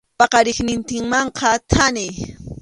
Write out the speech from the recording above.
Paqariqnintinmanqa thani.